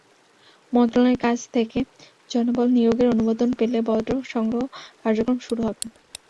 মন্ত্রণালয়ের কাছ থেকে জনবল নিয়োগের অনুমোদন পেলে বর্জ্য সংগ্রহ কার্যক্রম শুরু হবে।